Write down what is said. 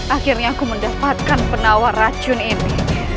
akhirnya aku mendapatkan penawar racun ini